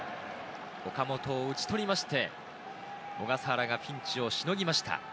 岡本を打ち取りまして、小笠原がピンチをしのぎました。